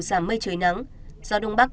giảm mây trời nắng gió đông bắc